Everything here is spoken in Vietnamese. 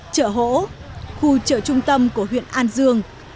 chợ hỗ khu chợ trung tâm của huyện an dương